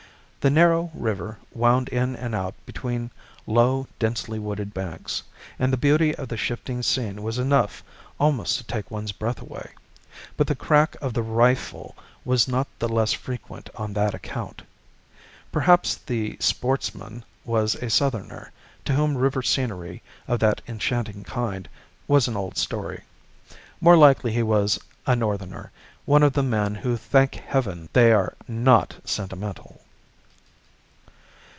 The narrow river wound in and out between low, densely wooded banks, and the beauty of the shifting scene was enough almost to take one's breath away; but the crack of the rifle was not the less frequent on that account. Perhaps the sportsman was a Southerner, to whom river scenery of that enchanting kind was an old story. More likely he was a Northerner, one of the men who thank Heaven they are "not sentimental."